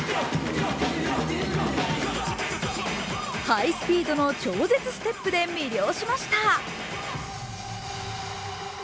ハイスピードの超絶ステップで魅了しました。